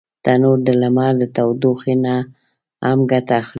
تنور د لمر د تودوخي نه هم ګټه اخلي